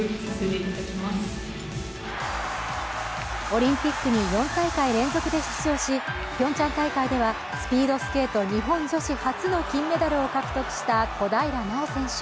オリンピックに４大会連続で出場しピョンチャン大会ではスピードスケート日本女子初の金メダルを獲得した小平奈緒選手。